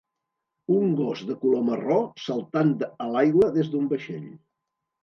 Un gos de color marró saltant a l'aigua des d'un vaixell.